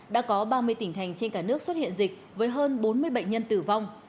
đã có ba mươi tỉnh thành trên cả nước xuất hiện dịch với hơn bốn mươi bệnh nhân tử vong